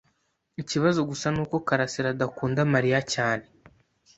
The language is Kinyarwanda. Ikibazo gusa nuko karasira adakunda Mariya cyane.